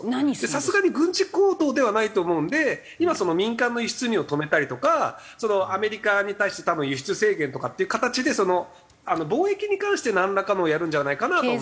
さすがに軍事行動ではないと思うんで今民間の輸出入を止めたりとかアメリカに対して多分輸出制限とかっていう形で貿易に関してなんらかのをやるんじゃないかなとは。